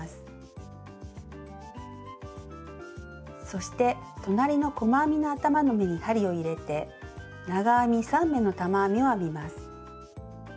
そして隣の細編みの頭の目に針を入れて長編み３目の玉編みを編みます。